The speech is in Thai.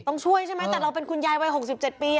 ต้องช่วยใช่ไหมแต่เราเป็นคุณยายวัย๖๗ปี